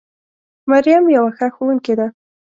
مريم يوه ښه ښوونکې ده